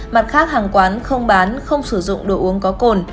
mặt khác hàng quán không bán không sử dụng đồ uống có cồn